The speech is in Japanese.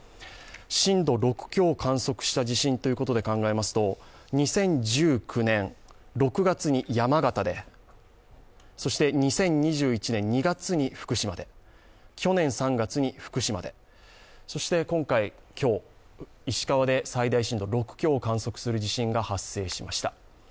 震度６強を観測した地震ということで考えますと２０１９年６月に山形で、そして２０２１年２月に福島で去年３月に福島で、そして今回今日石川で最大震度６強を観測する地震がありました。